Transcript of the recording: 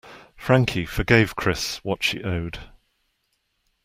Frankie forgave Chris what she owed.